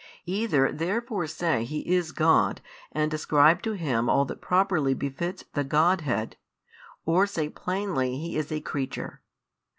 Either therefore say He is God and ascribe to Him all that properly befits the Godhead, or say plainly He is a creature.